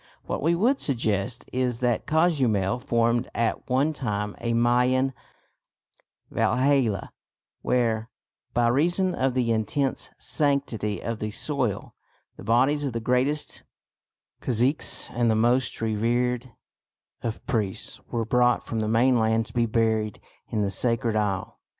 What we would suggest is that Cozumel formed at one time a Mayan Valhalla where, by reason of the intense sanctity of the soil, the bodies of the greatest caciques and the most revered of priests were brought from the mainland to be buried in the sacred isle.